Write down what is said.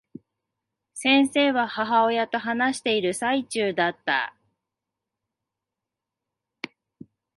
先生は、母親と話している最中だった。